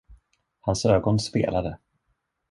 Hans ögon spelade.